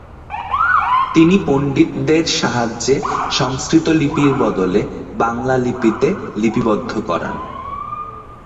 তিনি পণ্ডিতদের সাহায্যে সংস্কৃত লিপির বদলে বাংলা লিপিতে লিপিবদ্ধ করান।